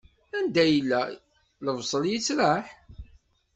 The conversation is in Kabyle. Anda yella, lebṣel yeţraḥ.